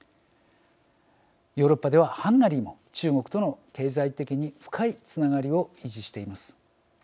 ヨーロッパではハンガリーも中国との経済的に深いつながりを維持しています。